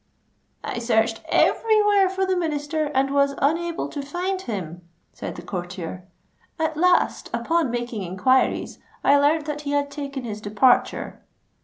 "I searched every where for the Minister, and was unable to find him," said the courtier. "At last, upon making enquiries, I learnt that he had taken his departure."